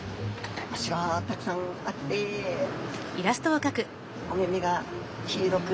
脚がたくさんあってお目々が黄色く。